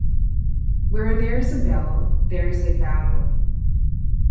Where there is a bell, there is a battle.